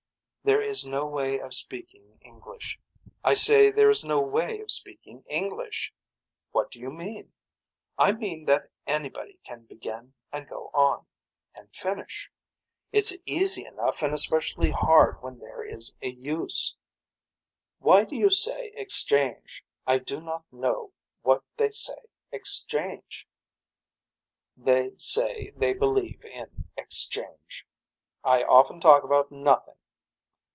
There is no way of speaking english. I say there is no way of speaking English. What do you mean. I mean that anybody can begin and go on. And finish. It's easy enough and especially hard when there is a use. Why do you say exchange. I do not know what they say exchange. They say they believe in exchange. I often talk about nothing.